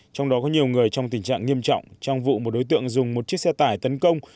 trong đó có nhiều người trong tình trạng nghiêm trọng trong vụ một đối tượng dùng một chiếc xe tải tấn công